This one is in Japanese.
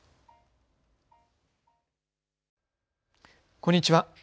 こんにちは。